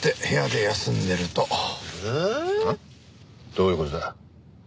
どういう事だ？